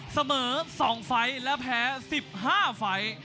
เสมอ๒ไฟล์และแพ้๑๕ไฟล์